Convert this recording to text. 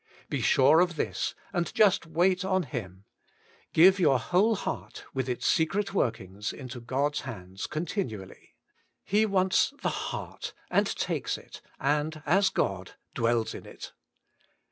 Be sure of this, and just wait on Him. Give your whole heart, with its secret workings, into WAITING ON GOD! 53 Go4's hands continually. He wants the heart, wid t^ikes it, and as God dwells in it.